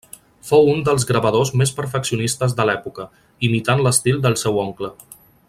Fou un dels gravadors més perfeccionistes de l'època, imitant l'estil del seu oncle.